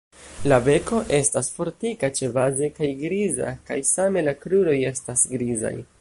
La beko estas fortika ĉebaze kaj griza kaj same la kruroj estas grizaj.